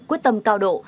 quyết tâm cao độ